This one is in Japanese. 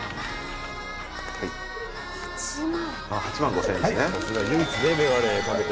８万５，０００円ですね。